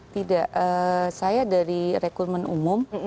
tidak saya dari rekrutmen umum